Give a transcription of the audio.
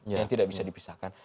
yang tidak bisa dipisahkan